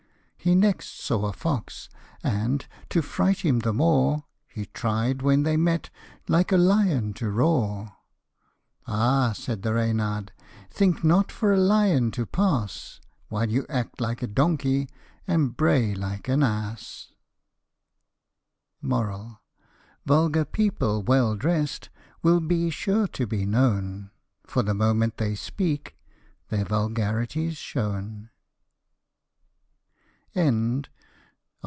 He next saw a fox, and, to fright him the more, He tried, when they met, like a lion to roar :" Ah !" said Reynard, " think not for a lion to pass, While you act like a donkey, and bray like an ass. " Vulgar people well drest will be sure to be known ; For the moment they speak, their vulgarity's shown.